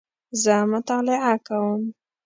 زه مطالعه کوم